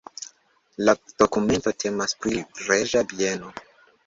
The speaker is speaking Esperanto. La dokumento temas pri reĝa bieno.